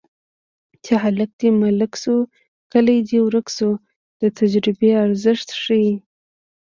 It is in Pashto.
چې هلک دې ملک شو کلی دې ورک شو د تجربې ارزښت ښيي